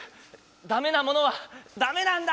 ダメなものはダメなんだ！